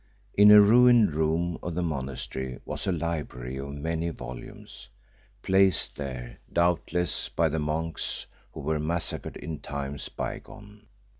In a ruined room of the monastery was a library of many volumes, placed there, doubtless, by the monks who were massacred in times bygone.